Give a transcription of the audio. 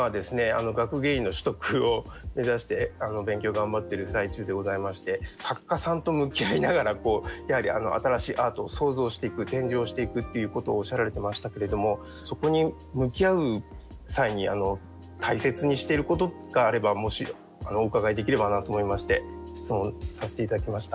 学芸員の取得を目指して勉強頑張ってる最中でございまして作家さんと向き合いながらやはり新しいアートを創造していく展示をしていくっていうことをおっしゃられてましたけれどもそこに向き合う際に大切にしていることがあればもしお伺いできればなと思いまして質問させて頂きました。